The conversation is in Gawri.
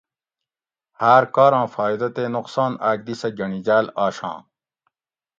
ہاۤر کاراں فائیدہ تے نقصان آک دی سہ گۤنڑیجاۤل آشاۤں